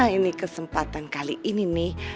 ini kesempatan kali ini nih